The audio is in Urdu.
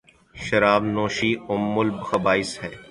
شراب نوشی ام الخبائث ہےـ